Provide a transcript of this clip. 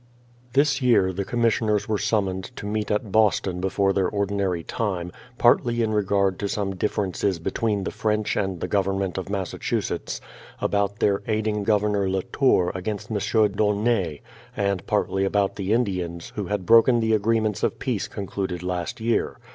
This year the commissioners were summoned to meet at Boston before their ordinary time, partly in regard to some differences between the French and the Government of Massachusetts, about their aiding Governor La Tour against Monsieur d'Aulney; and partly about the Indians, who had broken the agreements of peace concluded last year.